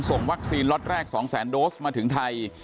ส่งวัคซีนรอดแรก๒๐๐๐๐๐โดสมาถึงไทย